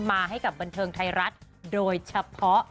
มาให้กับบันเทิงไทยรัฐโดยเฉพาะ